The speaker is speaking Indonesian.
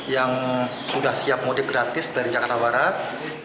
yang sudah siap mudik gratis dari jakarta barat